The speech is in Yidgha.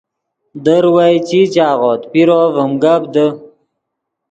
در وئے چی چاغوت پیرو ڤیم گپ دے